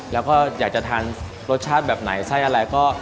แล้วก็อยากจะทานรสชาติแบบไหนไส้อะไรก็